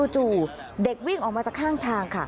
จู่เด็กวิ่งออกมาจากข้างทางค่ะ